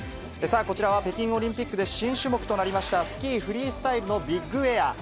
さあ、こちらは北京オリンピックで新種目となりました、スキーフリースタイルのビッグエア。